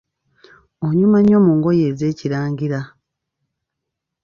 Onyuma nnyo mu ngoye ez’Ekirangira.